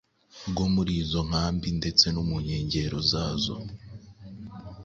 rwo muri izo nkambi ndetse no mu nkengero zazo.